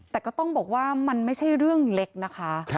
แต่ก็ต้องบอกว่ามันไม่ใช่เรื่องเล็กนะคะ